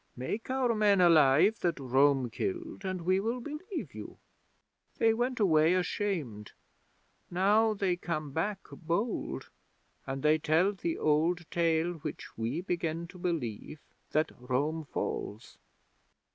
Make our men alive that Rome killed, and we will believe you.' They went away ashamed. Now they come back bold, and they tell the old tale, which we begin to believe that Rome falls!"